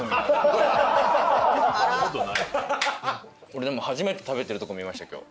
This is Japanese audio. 俺でも初めて食べてるとこ見ました今日。